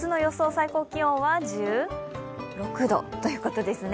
最高気温は１６度ということですね。